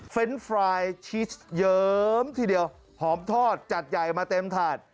เฟรนด์ฟรายชีสเยียมทีเดียวหอมทอดจัดใหญ่มาเต็มถาด